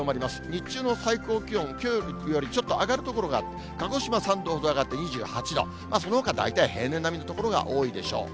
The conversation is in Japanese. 日中の最高気温、きょうよりちょっと上がる所があって、鹿児島３度ほど上がって２８度、そのほかは大体平年並みの所が多いでしょう。